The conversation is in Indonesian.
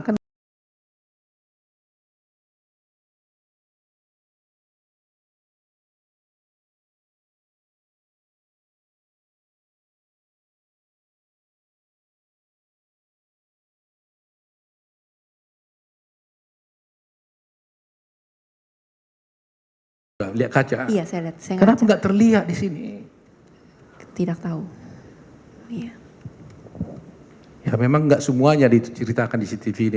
karena tidak terlihat disini